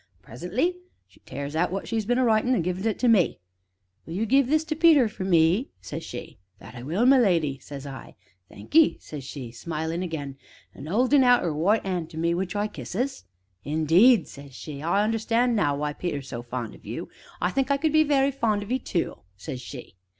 An' presently she tears out what she's been a writin' an' gives it to me. 'Will you give this to Peter for me?' says she. 'That I will, my leddy!' says I. 'Thank 'ee!' says she, smilin' again, an' 'oldin' out 'er w'ite 'an' to me, which I kisses. 'Indeed!' says she,' I understand now why Peter is so fond of you. I think I could be very fond of 'ee tu!' says she.